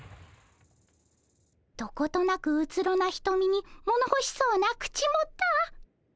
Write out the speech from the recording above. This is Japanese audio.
どことなくうつろなひとみにものほしそうな口元。